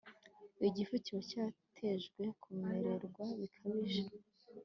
Igifu kiba cyatejwe kuremererwa bikabije